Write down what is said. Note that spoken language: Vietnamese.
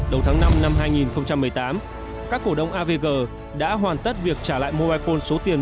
đầu tháng năm năm hai nghìn một mươi tám các cổ đông avg đã hoàn tất việc trả lại mobile phone số tiền